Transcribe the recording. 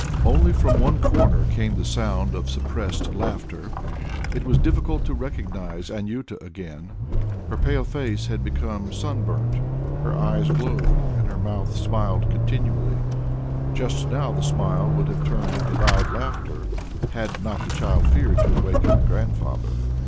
Only from one corner came the sound of suppressed laughter. It was difficult to recognize Anjuta again. Her pale face had become sunburnt, her eyes glowed, and her mouth smiled continually. Just now the smile would have turned into loud laughter, had not the child feared to awaken Grandfather.